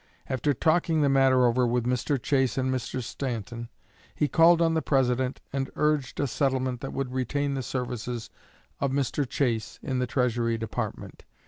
After talking the matter over with Mr. Chase and Mr. Stanton, he called on the President and urged a settlement that would retain the services of Mr. Chase in the Treasury Department.